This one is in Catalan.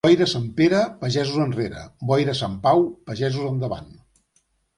Boira a Sant Pere, pagesos enrere; boira a Sant Pau, pagesos endavant.